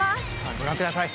ご覧ください。